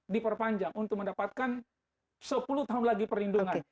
diperpanjang untuk mendapatkan sepuluh tahun lagi perlindungan